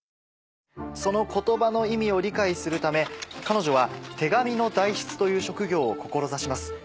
その言葉の意味を理解するため彼女は手紙の代筆という職業を志します。